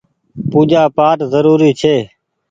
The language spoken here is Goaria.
پوجآ پآٽ زروري ڇي۔